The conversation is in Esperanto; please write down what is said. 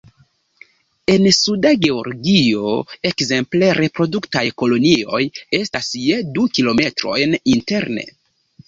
En Suda Georgio, ekzemple, reproduktaj kolonioj estas je du kilometrojn interne.